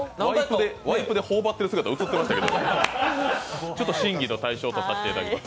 ワイプでほうばってる姿が映ってましたが、ちょっと審議の対象とさせていただきます。